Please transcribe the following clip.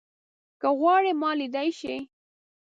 که غواړې ما ليدای شې